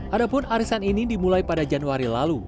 adapun arisan ini dimulai pada januari lalu